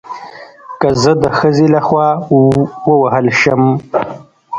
که زه د ښځې له خوا ووهل شم